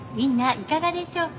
いかがでしょうか。